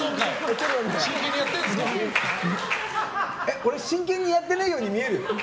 俺、真剣にやっていないように見える？